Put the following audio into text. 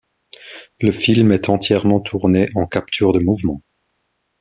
Le film est entièrement tourné en capture de mouvement.